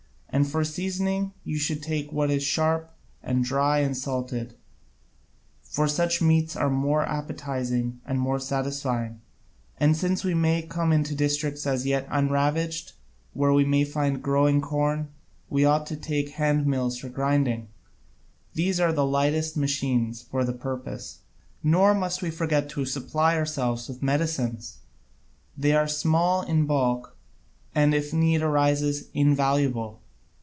And for seasoning you should take what is sharp and dry and salted, for such meats are more appetising and more satisfying. And since we may come into districts as yet unravaged where we may find growing corn, we ought to take handmills for grinding: these are the lightest machines for the purpose. Nor must we forget to supply ourselves with medicines they are small in bulk and, if need arises, invaluable.